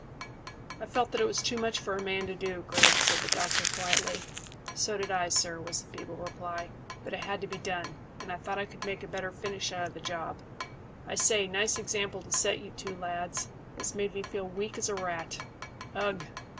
"I felt that it was too much for a man to do, Griggs," said the doctor quietly. "So did I, sir," was the feeble reply; "but it had to be done, and I thought I could make a better finish out of the job. I say, nice example to set you two lads. It has made me feel as weak as a rat. Ugh!